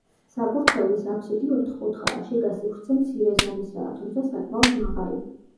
საკურთხევლის აფსიდი ოთხკუთხაა, შიგა სივრცე მცირე ზომისა, თუმცა საკმაოდ მაღალი.